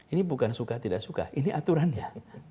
ini bukan suka tidak suka ini aturannya